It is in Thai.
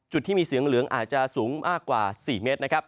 ที่มีเสียงเหลืองอาจจะสูงมากกว่า๔เมตรนะครับ